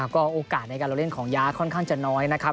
ก็โอกาสในการลงเล่นของยาค่อนข้างจะน้อยนะครับ